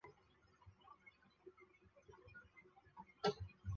不过相同发动机用在两架飞机也不尽相通。